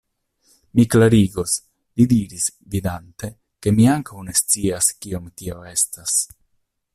Mi klarigos, li diris, vidante, ke mi ankaŭ ne scias, kiom tio estas.